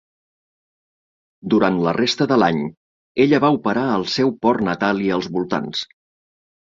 Durant la resta de l'any, ella va operar al seu port natal i als voltants.